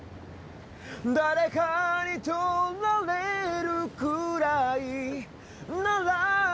誰かに盗られるくらいなら